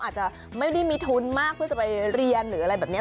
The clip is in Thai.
อาจจะไม่ได้มีทุนมากเพื่อจะไปเรียนหรืออะไรแบบนี้